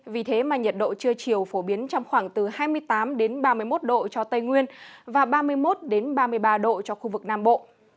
vì thế mà nhiệt độ trưa chiều phổ biến trong khoảng từ hai mươi tám ba mươi một độ cho tây nguyên và ba mươi một ba mươi ba độ cho khu vực nam bộ